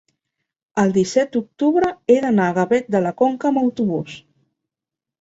el disset d'octubre he d'anar a Gavet de la Conca amb autobús.